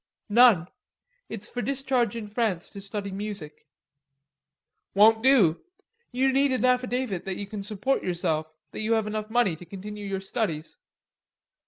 "None. It's for discharge in France to study music." "Won't do. You need an affidavit that you can support yourself, that you have enough money to continue your studies.